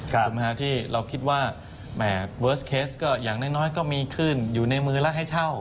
ถูกไหมฮะที่เราคิดว่าแหม่เวิร์สเคสก็อย่างน้อยก็มีขึ้นอยู่ในมือแล้วให้เช่า